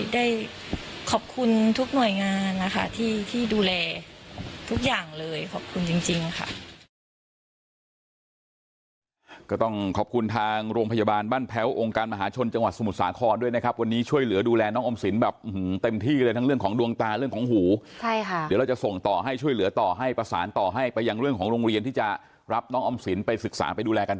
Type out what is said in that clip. ได้ขอบคุณทุกหน่วยงานนะคะที่ดูแลทุกอย่างเลยขอบคุณจริงค่ะ